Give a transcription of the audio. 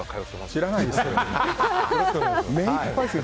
知らないですよ。